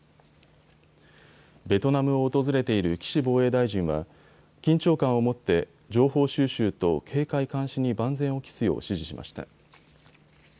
ベトナムを訪れている岸防衛大臣は緊張感を持って情報収集と警戒監視に万全を期すよう指示しました。